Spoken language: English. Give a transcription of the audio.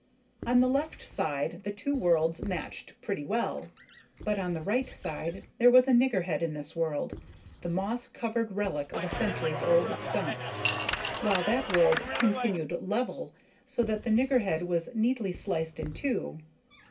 On the left side the two worlds matched pretty well, but on the right side there was a niggerhead in this world, the moss covered relic of a centuries old stump, while that world continued level, so that the niggerhead was neatly sliced in two.